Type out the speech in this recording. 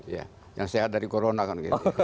ya yang sehat dari corona kan